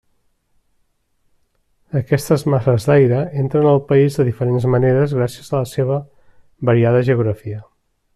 Aquestes masses d'aire entren al país de diferents maneres gràcies a la seva variada geografia.